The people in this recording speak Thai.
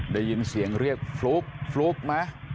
ได้ยินเสียงเรียกฟลุ๊กฟลุ๊กไหม